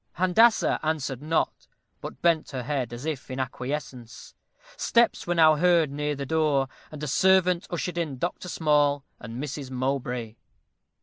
Handassah answered not, but bent her head, as if in acquiescence. Steps were now heard near the door, and a servant ushered in Dr. Small and Mrs. Mowbray.